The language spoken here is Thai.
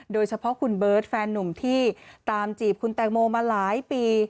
โดยเฉพาะคุณเบิร์ตแฟนนุ่มที่ตามจีบคุณแตงโมมาหลายปี